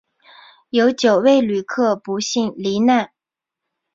有九位旅客不幸罹难